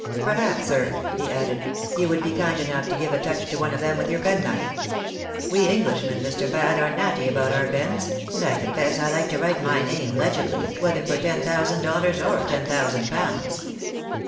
" Perhaps, sir," he added, " you would be kind enough to give a touch to one of them with your penknife ? We Englishmen, Mr. Fad, are natty about our pens, and I confess I like to write my name legibly, whether for ten thousand dollars or ten thousand pounds."